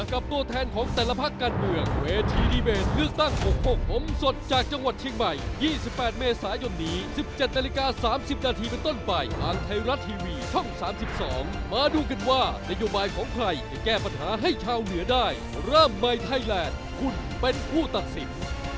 ขอบคุณครับสวัสดีครับ